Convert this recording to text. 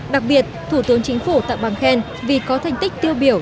đặc biệt thủ tướng chính phủ tặng bằng khen vì có thành tích tiêu biểu